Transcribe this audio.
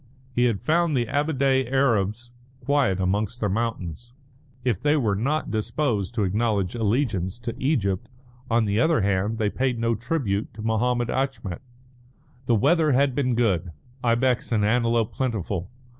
He had found the Ababdeh Arabs quiet amongst their mountains. If they were not disposed to acknowledge allegiance to Egypt, on the other hand they paid no tribute to Mahommed Achmet. The weather had been good, ibex and antelope plentiful.